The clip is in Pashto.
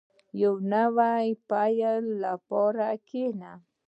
• د یو نوي پیل لپاره کښېنه.